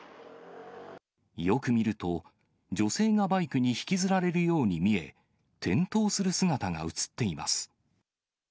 よく見ると、女性がバイクに引きずられるように見え、転倒する姿が写っています。